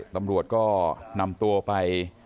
ตำรวจก็นำตัวไป